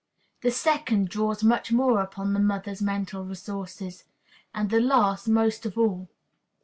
The second draws much more upon the mother's mental resources, and the last, most of all.